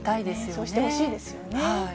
そうしてほしいですよね。